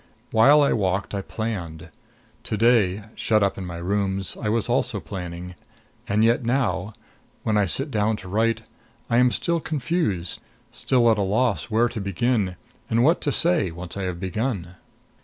While I walked I planned. To day, shut up in my rooms, I was also planning. And yet now, when I sit down to write, I am still confused; still at a loss where to begin and what to say, once I have begun.